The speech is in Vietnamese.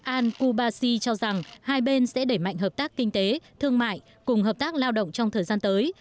an kubashi cho rằng hai bên sẽ đẩy mạnh hợp tác kinh tế thương mại cùng hợp tác lao động trong thời gian tới